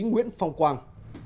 nguyễn phong quang